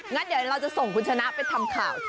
งั้นเดี๋ยวเราจะส่งคุณชนะไปทำข่าว